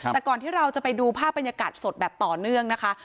แต่ก่อนที่เราจะไปดูภาพบรรยากาศสดแบบต่อเนื่องนะคะ